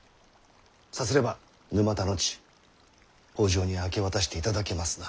さすれば沼田の地北条に明け渡していただけますな？